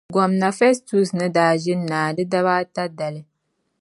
Gomna Fɛstus ni daa ʒini naai di daba ata dali.